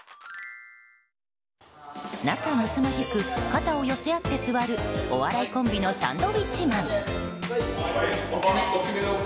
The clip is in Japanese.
仲むつまじく肩寄せ合って座るお笑いコンビのサンドウィッチマン。